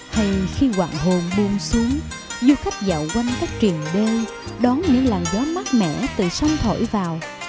hay khi hoàng hồn buông xuống du khách dạo quanh các truyền đê đón những làng gió mát mẻ từ sông thổi vào